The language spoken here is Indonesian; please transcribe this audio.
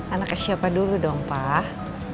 anaknya siapa dulu dong pak